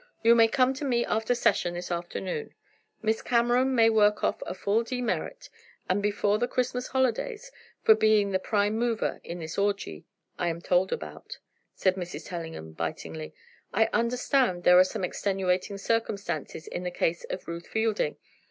"You may come to me after session this afternoon. Miss Cameron may work off a full demerit, and before the Christmas Holidays, for being the prime mover in this orgy, I am told about," said Mrs. Tellingham, bitingly. "I understand there are some extenuating circumstances in the case of Ruth Fielding.